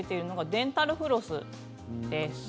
デンタルフロスです。